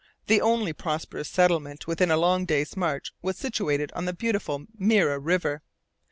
The only prosperous settlement within a long day's march was situated on the beautiful Mira river.